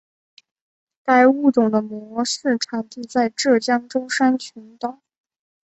该物种的模式产地在浙江舟山群岛。